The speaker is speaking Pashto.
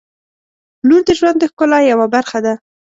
• لور د ژوند د ښکلا یوه برخه ده.